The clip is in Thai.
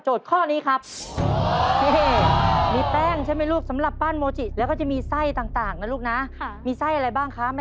พร้อมไหมคะพร้อมค่ะถ้าพร้อมแล้วนะครับ